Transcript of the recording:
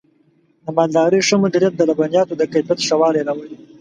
د مالدارۍ ښه مدیریت د لبنیاتو د کیفیت ښه والی راولي.